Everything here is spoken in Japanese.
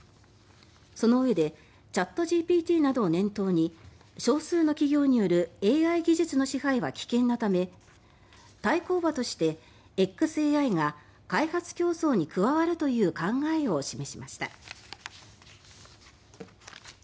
そのうえでチャットＧＰＴなどを念頭に少数の企業によるＡＩ技術の支配は危険なため対抗馬としてｘＡＩが開発競争に加わるという考えを示しました。